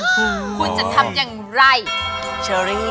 คุณจะทำอย่างไร